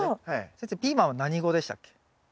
先生ピーマンは何語でしたっけ？